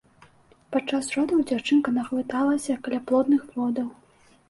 Падчас родаў дзяўчынка наглыталася каляплодных водаў.